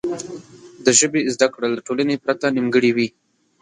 د ژبې زده کړه له ټولنې پرته نیمګړې وي.